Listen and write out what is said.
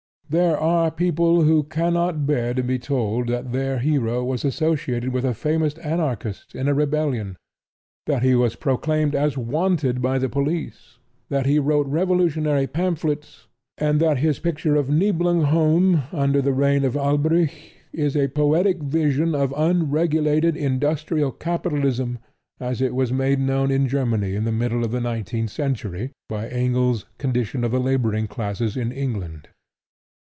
There are people who cannot bear to be told that their hero was associated with a famous Anarchist in a rebellion; that he was proclaimed as "wanted" by the police; that he wrote revolutionary pamphlets; and that his picture of Niblunghome under the reign of Alberic is a poetic vision of unregulated industrial capitalism as it was made known in Germany in the middle of the nineteenth century by Engels's Condition of the Laboring classes in England.